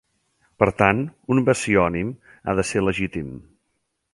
Per tant, un basiònim ha de ser legítim.